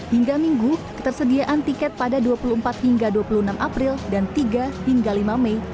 hingga minggu ketersediaan tiket pada dua puluh empat hingga dua puluh enam april dan tiga hingga lima mei